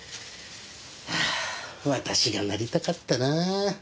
私がなりたかったなぁ。